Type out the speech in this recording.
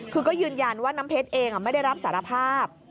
คือก็ยืนยันว่าน้ำเพชรเองไม่ได้รับสารภาพ